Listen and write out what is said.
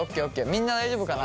みんな大丈夫かな？